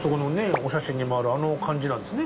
お写真にもあるあの感じなんですね